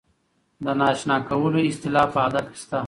د نااشنا کولو اصطلاح په ادب کې شته.